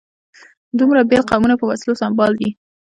دومره بېل قومونه په وسلو سمبال دي.